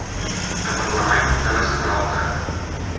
— Ҡыбырламай, тыныс ҡына ултырығыҙ.